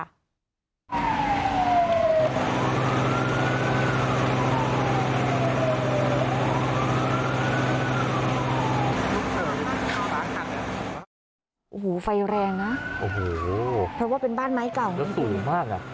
ฮูฮูฟัยแรงนะเพราะว่าเป็นบ้านไม้เก่ามากอ่ะอืม